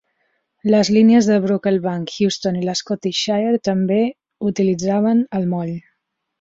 Les línies de Brocklebank, Houston i la Scottish Shire també utilitzaven el moll.